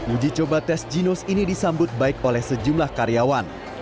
uji coba tes ginos ini disambut baik oleh sejumlah karyawan